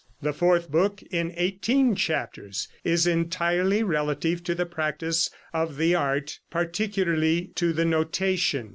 The fourth book, in eighteen chapters, is entirely relative to the practice of the art, particularly to the notation.